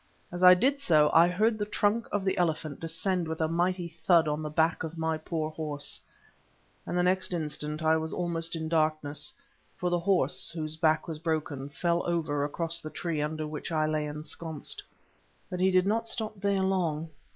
As I did so, I heard the trunk of the elephant descend with a mighty thud on the back of my poor horse, and the next instant I was almost in darkness, for the horse, whose back was broken, fell over across the tree under which I lay ensconced. But he did not stop there long.